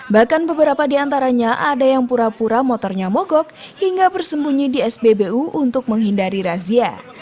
bahkan beberapa di antaranya ada yang pura pura motornya mogok hingga bersembunyi di spbu untuk menghindari razia